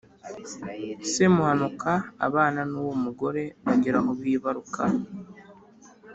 Semuhanuka abana n’uwo mugore bagera aho bibaruka.